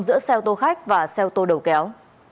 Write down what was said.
giữa xeo tô khách và xeo tô đầu kéo